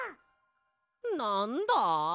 なんだ？